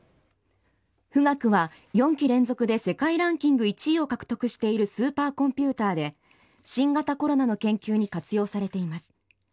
富岳は４期連続で世界ランキング１位を獲得しているスーパーコンピューターで、新型コロナの研究に活用されています。